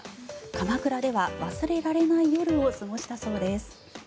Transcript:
鎌倉では忘れられない夜を過ごしたそうです。